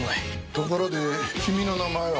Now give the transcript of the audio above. ところで君の名前は？